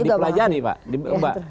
di pelajari pak